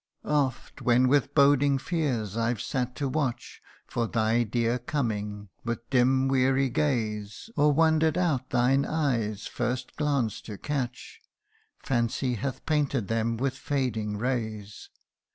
" Oft, when with boding fears I 've sat to watch For thy dear coming, with dim weary gaze, Or wander'd out thine eye's first glance to catch, Fancy hath painted them with fading rays.